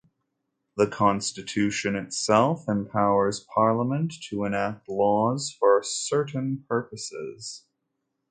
The Constitution itself empowers Parliament to enact laws for certain purposes.